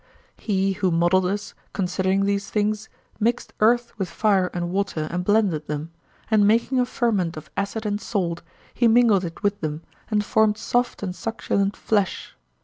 He who modelled us, considering these things, mixed earth with fire and water and blended them; and making a ferment of acid and salt, he mingled it with them and formed soft and succulent flesh.